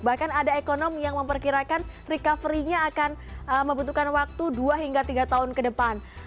bahkan ada ekonom yang memperkirakan recovery nya akan membutuhkan waktu dua hingga tiga tahun ke depan